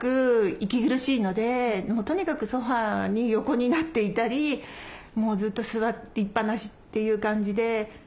とにかくソファーに横になっていたりもうずっと座りっぱなしっていう感じで。